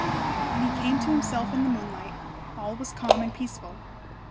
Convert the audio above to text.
When he came to himself in the moonlight, all was calm and peaceful.